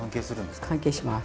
関係します。